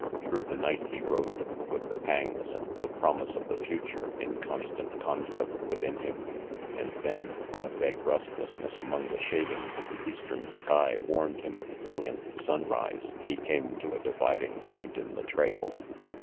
Through the night he rode, with the pangs and the promise of the future in constant conflict within him; and then, when a vague restlessness among the shad ings of the eastern sky warned him of brilliant sunrise, he came to a dividing point in the trail.